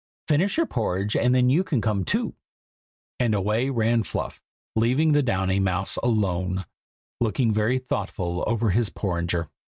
Finish your porridge, and then you can come too!" and away ran Fluff, leaving the Downy mouse alone, looking very thoughtful over his porringer.